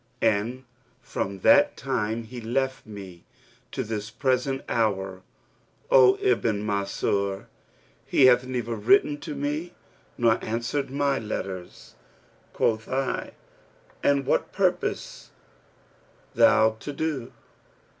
And from the time he left me to this present hour, O Ibn Mansur, he hath neither written to me nor answered my letters.' Quoth I, 'And what purposes" thou to do?'